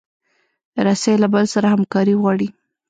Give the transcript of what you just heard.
رسۍ له بل سره همکاري غواړي.